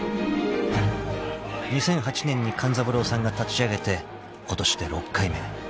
［２００８年に勘三郎さんが立ち上げてことしで６回目］